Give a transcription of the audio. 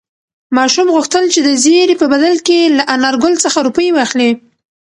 ماشوم غوښتل چې د زېري په بدل کې له انارګل څخه روپۍ واخلي.